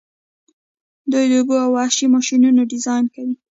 دوی د اوبو او وچې ماشینونه ډیزاین کوي.